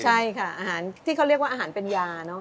ใช่ค่ะอาหารที่เขาเรียกว่าอาหารเป็นยาเนอะ